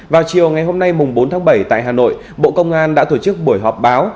vào chiều ngày hôm nay bốn tháng bảy tại hà nội bộ công an đã tổ chức buổi họp báo